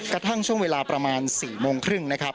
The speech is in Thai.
กระทั่งช่วงเวลาประมาณ๔โมงครึ่งนะครับ